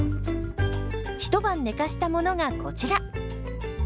一晩寝かしたものがこちら。